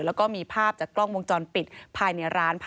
แล้วก็มีภาพจากกล้องวงจรปิดภายในร้าน